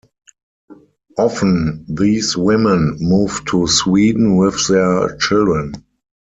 Often these women moved to Sweden with their children.